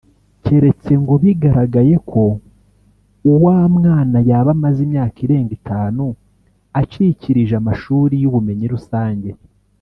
keretse ngo bigaragaye ko uwa mwana yaba amaze imyaka irenga itanu acikishirije amashuri y’ubumenyi rusange